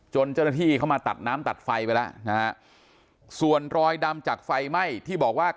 เจ้าหน้าที่เข้ามาตัดน้ำตัดไฟไปแล้วนะฮะส่วนรอยดำจากไฟไหม้ที่บอกว่า